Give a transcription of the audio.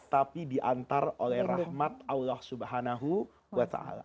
tapi diantar oleh rahmat allah subhanahu wa ta'ala